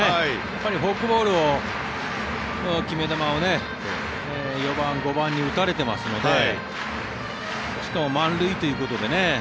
やっぱりフォークボール決め球を４番、５番に打たれていますのでしかも満塁ということで。